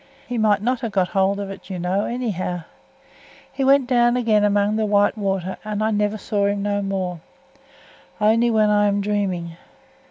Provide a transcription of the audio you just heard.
He might not have got hold of it, you know, anyhow. He went down again among th' white water, and I never saw him no more only when I am dreaming.